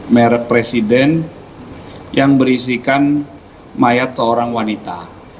merek presiden yang berisikan mayat seorang wanita